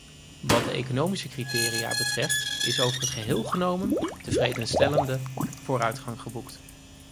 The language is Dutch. Wat de economische criteria betreft is over het geheel genomen tevredenstellende vooruitgang geboekt.